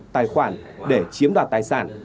tài khoản để chiếm đoạt tài sản